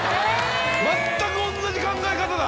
全く同じ考え方だ。